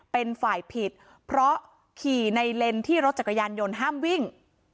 เป็นฝ่ายผิดเพราะขี่ในเลนส์ที่รถจักรยานยนต์ห้ามวิ่ง